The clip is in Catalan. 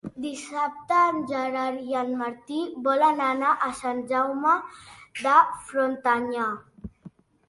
Dissabte en Gerard i en Martí volen anar a Sant Jaume de Frontanyà.